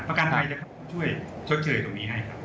ประกันภัยจะช่วยชดเชยตรงนี้ให้ครับ